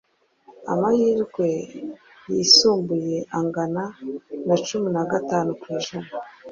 amahirwe yisumbuye angana na cumi na gatanu ku ijana